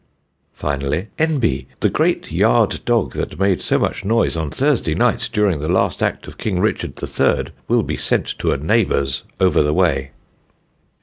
Finally: "N.B. The great yard dog that made so much noise on Thursday night during the last act of King Richard the Third, will be sent to a neighbour's over the way."